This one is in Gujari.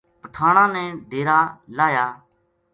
پٹھاناں نے ڈیرا لاہیا